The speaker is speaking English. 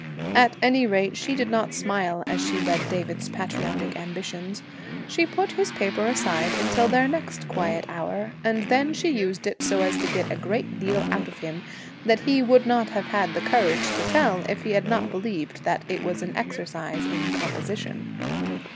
At any rate, she did not smile as she read of David's patriotic ambitions. She put his paper aside until their next quiet hour, and then she used it so as to get a great deal out of him that he would not have had the courage to tell if he had not believed that it was an exercise in composition.